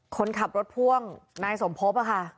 คนขับรถพ่วงนายสมภพค่ะ